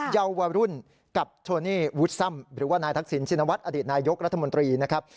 เยาวรุ่นกับโทนี่วุฒซ่ำหรือว่านายทักษิณชินวัฒนอดีตนายกรัฐมนตรีนะครับ